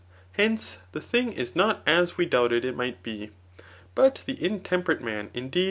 Hence, the thing is not as we doubted it might be } but the intemperate man, indeed.